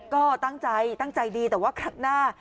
ก็ตั้งใจตั้งใจดีแต่ว่าครั้งหน้า